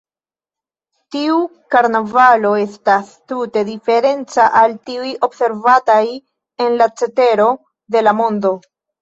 Tiu karnavalo estas tute diferenca al tiuj observataj en la cetero de la mondo.